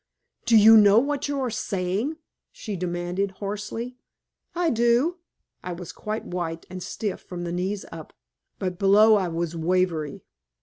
"Do you know what you are saying?" she demanded hoarsely. "I do." I was quite white and stiff from my knees up, but below I was wavery.